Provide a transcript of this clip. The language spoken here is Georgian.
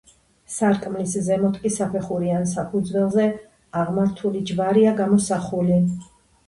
სარკმლის ზემოთ კი საფეხურიან საფუძველზე აღმართული ჯვარია გამოსახული.